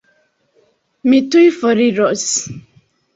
Mi tuj foriros.